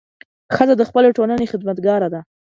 ښځه د خپلې ټولنې خدمتګاره ده.